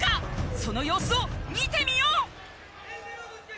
その様子を見てみよう。